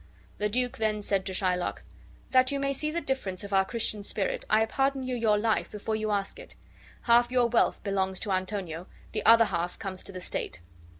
The duke then said to Shylock: "That you may see the difference of our Christian spirit, I pardon you your life before you ask it. Half your wealth belongs to Antonio, the other half comes to the state."